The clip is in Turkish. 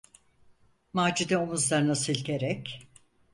Macide omuzlarını silkerek: